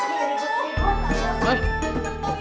bring disini aja dong